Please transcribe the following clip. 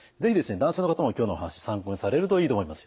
男性の方も今日のお話参考にされるといいと思いますよ。